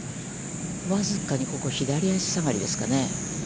僅かにここ、左下がりですかね。